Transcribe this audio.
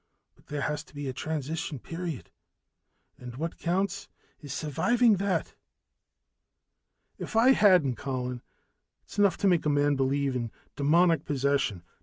But there has to be a transition period, and what counts is surviving that." "If I hadn't Colin, it's enough to make a man believe in demoniac possession."